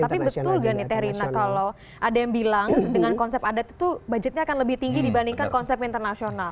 tapi betul gak nih terina kalau ada yang bilang dengan konsep adat itu budgetnya akan lebih tinggi dibandingkan konsep internasional